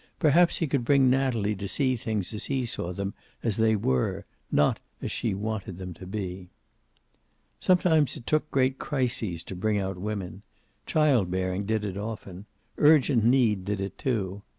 Perhaps he could bring Natalie to see things as he saw them, as they were, not as she wanted them to be. Some times it took great crises to bring out women. Child bearing did it, often. Urgent need did it, too.